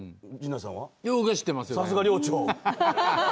さすが寮長。